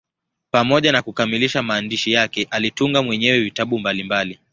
Pamoja na kukamilisha maandishi yake, alitunga mwenyewe vitabu mbalimbali.